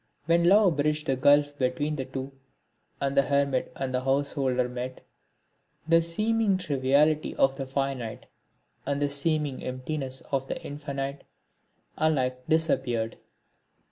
When love bridged the gulf between the two, and the hermit and the householder met, the seeming triviality of the finite and the seeming emptiness of the infinite alike disappeared.